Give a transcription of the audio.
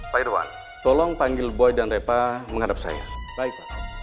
pak irwan tolong panggil boy dan repa menghadap saya